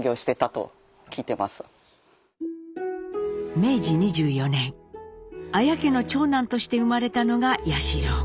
明治２４年綾家の長男として生まれたのが彌四郎。